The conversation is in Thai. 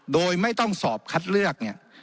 โดยไม่ต้องสอบคัดเลือกเนี่ย